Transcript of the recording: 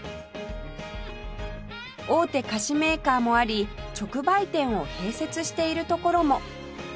大手菓子メーカーもあり直売店を併設しているところも